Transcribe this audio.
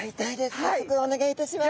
早速お願いいたします。